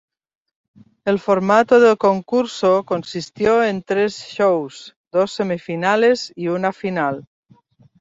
El formato del concurso consistió en tres shows: dos semifinales y una final.